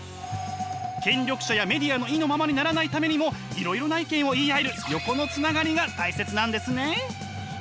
権力者やメディアの意のままにならないためにもいろいろな意見を言い合える横のつながりが大切なんですね。